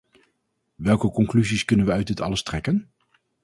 Welke conclusies kunnen we uit dit alles trekken?